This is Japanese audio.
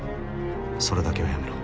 それだけはやめろ